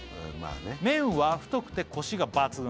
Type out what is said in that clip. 「麺は太くてコシが抜群」